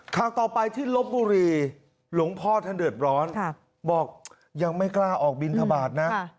ข่าวต่อไปที่ลบบุรีหลวงพ่อท่านเดือดร้อนบอกยังไม่กล้าออกบินทบาทนะ